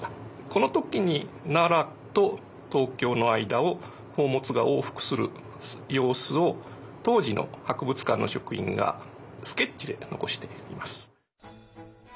この時に奈良と東京の間を宝物が往復する様子を当時の博物館の職員がスケッチで残しています。